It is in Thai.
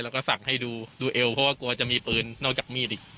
แล้วก็สั่งให้ดูดูเอวเพราะว่ากลัวจะมีปืนนอกจากมีดอีก